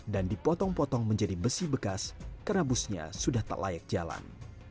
dan dipotong potong menjadi besi bekas karena busnya sudah tak layak jalan